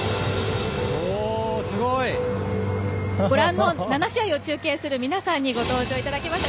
ご覧の７試合を中継する皆さんにご登場いただきました。